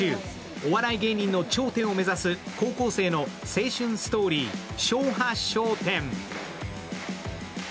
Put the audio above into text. お笑い芸人の頂点を目指す高校生の青春ストーリー、「ショーハショーテン」。